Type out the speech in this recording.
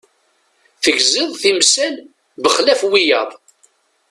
Tegziḍ timsal bexlaf wiyaḍ.